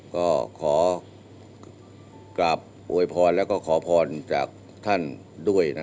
ก็ขอกราบอวยพรแล้วก็ขอพรจากท่านด้วย